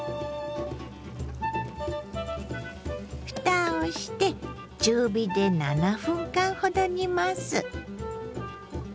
ふたをして中火で７分間ほど煮ます。